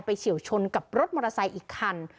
เฉียวชนกับรถมอเตอร์ไซค์อีกคัน